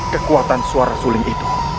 kekuatan suara suling itu